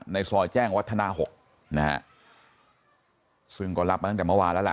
ในซอยแจ้งวัฒนาหกนะฮะซึ่งก็รับมาตั้งแต่เมื่อวานแล้วล่ะ